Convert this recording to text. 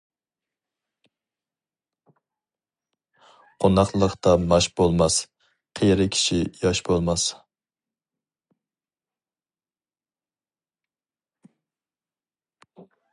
قوناقلىقتا ماش بولماس، قېرى كىشى ياش بولماس.